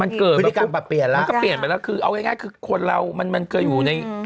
มันเกิดประเปียนแล้วคือเอาง่ายคือคนเรามันเคยอยู่ใน